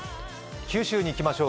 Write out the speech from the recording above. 九州にいきましょう。